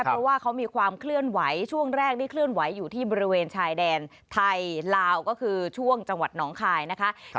เพราะว่าเขามีความเคลื่อนไหวช่วงแรกนี่เคลื่อนไหวอยู่ที่บริเวณชายแดนไทยลาวก็คือช่วงจังหวัดหนองคายนะคะ